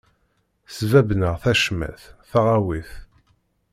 Sbabben-aɣ tacmat, tawaɣit.